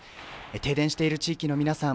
停電している地域の皆さん